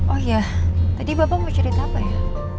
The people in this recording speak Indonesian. oh ya tadi bapak mau cerita apa ya